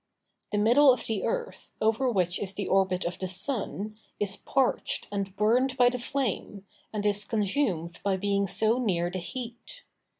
The middle of the earth, over which is the orbit of the sun, is parched and burned by the flame, and is consumed by being so near the heat.